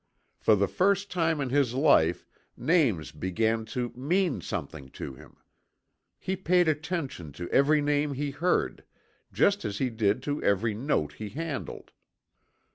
For the first time in his life names began to mean something to him. He paid attention to every name he heard, just as he did to every note he handled.